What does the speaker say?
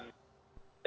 ya itu juga